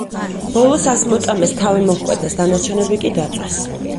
ბოლოს ას მოწამეს თავი მოჰკვეთეს, დანარჩენები კი დაწვეს.